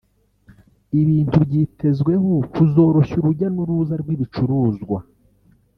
ibintu byitezweho kuzoroshya urujya n’uruza rw’ibicuruzwa